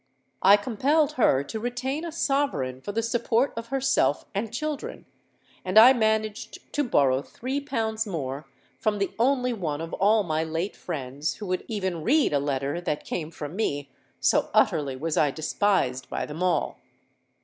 I compelled her to retain a sovereign for the support of herself and children; and I managed to borrow three pounds more from the only one of all my late friends who would even read a letter that came from me—so utterly was I despised by them all!